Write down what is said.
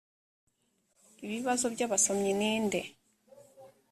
ibibazo by abasomyi ni nde